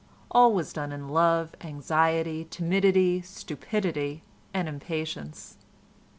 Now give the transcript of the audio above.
All was done in love, anxiety, timidity, stupidity, and impatience.